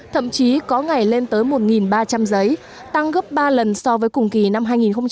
thậm chí có ngày lên tới một ba trăm linh giấy tăng gấp ba lần so với cùng kỳ năm hai nghìn một mươi tám